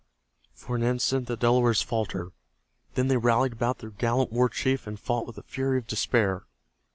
For an instant the Delawares faltered. Then they rallied about their gallant war chief and fought with the fury of despair.